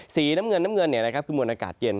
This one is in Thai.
สีน้ำเงินน้ำเงินคือมวลอากาศเย็น